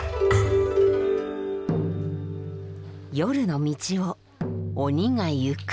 夜の道を鬼がゆく。